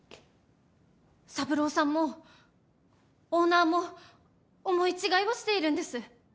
三郎さんもオーナーも思い違いをしているんです！